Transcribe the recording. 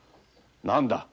何だ？